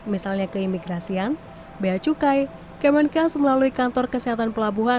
misalnya keimigrasian bea cukai kemenkes melalui kantor kesehatan pelabuhan